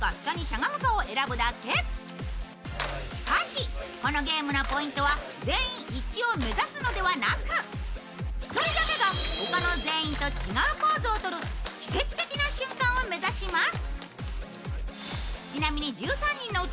しかしこのゲームのポイントは全員一致を目指すのではなく１人だけが他の全員と違うポーズをとる奇跡的な瞬間を目指します。